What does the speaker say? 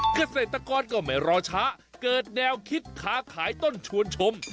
เกษตรกรก็ไม่รอช้าเกิดแนวคิดค้าขายต้นชวนชม